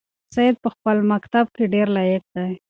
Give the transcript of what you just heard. سعید په خپل مکتب کې ډېر لایق دی.